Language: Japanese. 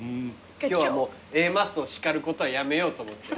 今日はもうＡマッソを叱ることはやめようと思って。